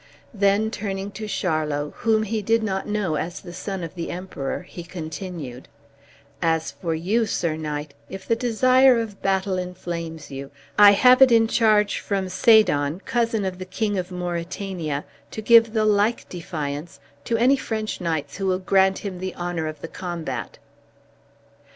Then, turning to Charlot, whom he did not know as the son of the Emperor, he continued, "As for you, Sir Knight, if the desire of battle inflames you, I have it in charge from Sadon, cousin of the King of Mauritania, to give the like defiance to any French knights who will grant him the honor of the combat."